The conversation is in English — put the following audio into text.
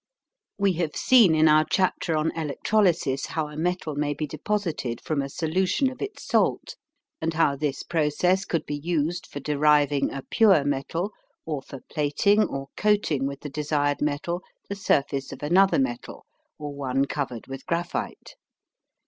We have seen in our chapter on Electrolysis how a metal may be deposited from a solution of its salt and how this process could be used for deriving a pure metal or for plating or coating with the desired metal the surface of another metal or one covered with graphite.